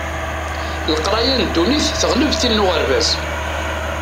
Leqraya n ddunit teɣleb tin n uɣerbaz.